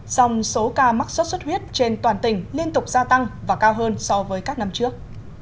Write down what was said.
dòng số ca mắc sốt xuất huyết trên toàn tỉnh liên tục gia tăng và cao hơn so với các năm trước